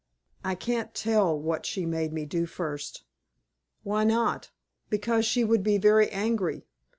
"I can't tell what she made me do first." "Why not?" "Because she would be very angry."